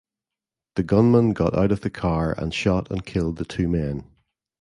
The gunman got out of the car and shot and killed the two men.